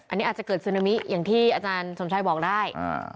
อันนี้อาจจะเกิดซึนามิอย่างที่อาจารย์สมชัยบอกได้